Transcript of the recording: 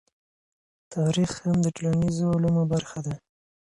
تاريخ هم د ټولنيزو علومو برخه ده.